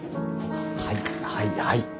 はいはいはい。